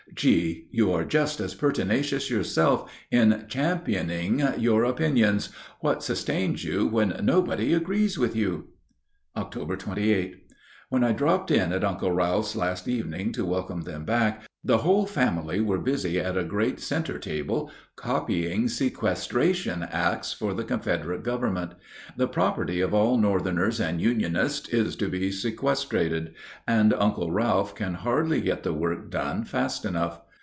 "G., you are just as pertinacious yourself in championing your opinions. What sustains you when nobody agrees with you?" Oct. 28. When I dropped in at Uncle Ralph's last evening to welcome them back, the whole family were busy at a great center table copying sequestration acts for the Confederate Government. The property of all Northerners and Unionists is to be sequestrated, and Uncle Ralph can hardly get the work done fast enough.